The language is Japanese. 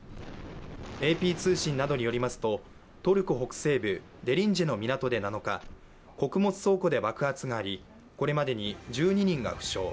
ＡＰ通信などによりますと、トルコ北西部、デリンジェの港で７日、穀物倉庫で爆発がありこれまでに１２人が負傷。